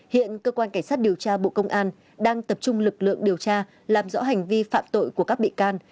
hiện cơ quan cảnh sát điều tra bộ công an đang tập trung lực lượng điều tra làm rõ hành vi phạm tội của các bị can